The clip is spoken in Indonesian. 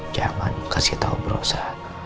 jangan kasih tau bu rosa